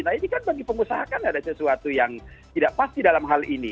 nah ini kan bagi pengusaha kan ada sesuatu yang tidak pasti dalam hal ini